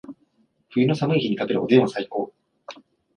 冬の寒い日に食べるおでんは最高